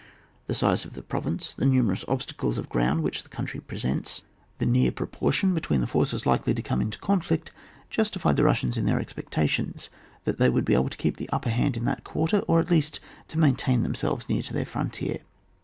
The size of the province, the numerous obstacles of ground which the country presents, the mcar proportion 173 ON WAR. [book VI. between the forces likely to come into conflict justified the Russians in their expectations, that they would be able to keep the upper hand in that quarter, or at least to maintain themselves near to their frontier.